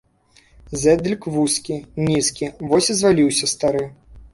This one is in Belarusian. Зэдлік вузкі, нізкі, вось і зваліўся стары.